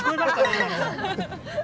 今の。